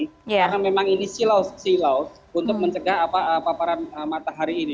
karena memang ini silau silau untuk mencegah apa apa matahari ini